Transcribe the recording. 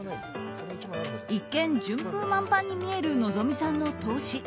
一見、順風満帆に見える望実さんの投資。